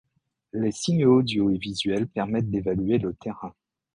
Les signaux audio et visuels permettent d'évaluer le terrain.